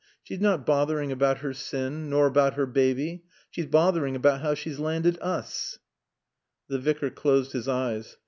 She's not bothering about her sin, nor about her baby. She's bothering about how she's landed us." The Vicar closed his eyes.